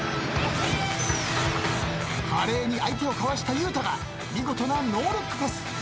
華麗に相手をかわしたゆうたが見事なノールックパス。